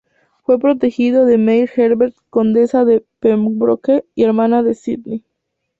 Fue protegido de Mary Herbert, Condesa de Pembroke y hermana de Sidney.